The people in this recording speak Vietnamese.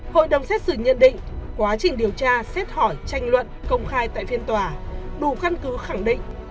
hội đồng xét xử nhận định quá trình điều tra xét hỏi tranh luận công khai tại phiên tòa đủ căn cứ khẳng định